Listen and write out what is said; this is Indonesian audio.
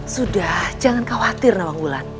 sudah jangan khawatir nawangulan